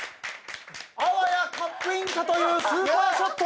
あわやカップインかというスーパーショット。